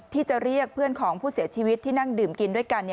ที่จะเรียกเพื่อนของผู้เสียชีวิตที่นั่งดื่มกินด้วยกัน